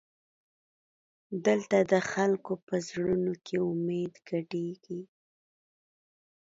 دلته د خلکو په زړونو کې امید ګډېږي.